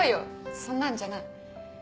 そんなんじゃない。